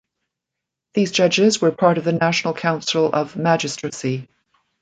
These judges were part of the National Council of Magistracy.